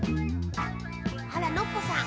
あらノッポさん。